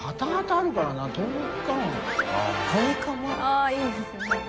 あっいいですね。